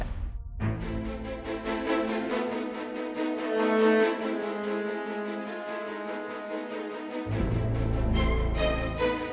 tapi oh turkish